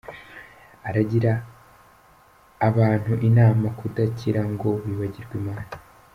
Aragira abantu inama kudakira ngo bibagirwe Imana.